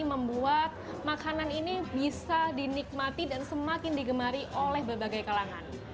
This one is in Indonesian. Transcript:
membuat makanan ini bisa dinikmati dan semakin digemari oleh berbagai kalangan